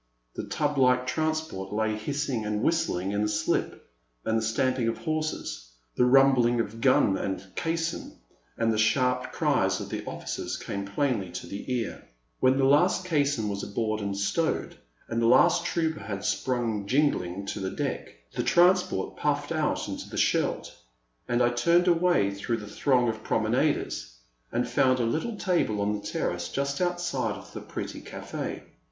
The tub like transport lay hissing and whistling in the slip, and the stamping of horses, the rumbling of gun and caisson, and the sharp cries of the officers came plainly to the ear. When the last caisson was aboard and stowed, and the last trooper had sprung jingling to the deck, the transport puffed out into the Scheldt, and I turned away through the throng of prom enaders, and found a little table on the terrace, just outside of the pretty cafi6.